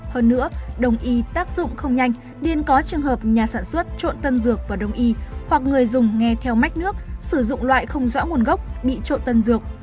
hơn nữa đồng y tác dụng không nhanh nên có trường hợp nhà sản xuất trộn tân dược và đông y hoặc người dùng nghe theo mách nước sử dụng loại không rõ nguồn gốc bị trộn tân dược